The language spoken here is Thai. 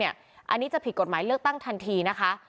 อันนี้จะผิดกฎหมายเลือกตั้งทันทีนะคะ